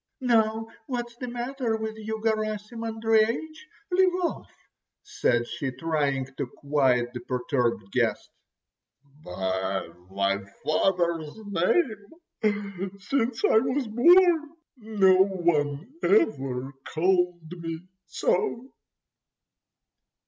"Now, what's the matter with you, Garasim Andreich. Leave off," said she, trying to quiet the perturbed guest. "By my father's name! Since I was born no one ever called me so!"